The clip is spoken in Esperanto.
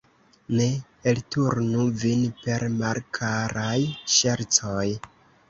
Ne elturnu vin per malkaraj ŝercoj!